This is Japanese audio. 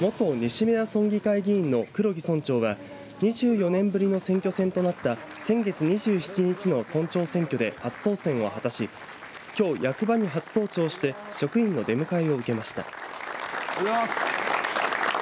元西米良村議会の黒木村長は２４年ぶりの選挙戦となった先月２７日の村長選挙で初当選を果たしきょう、役場に初登庁して職員の出迎えを受けました。